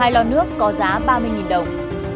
hai lò nước có giá ba mươi đồng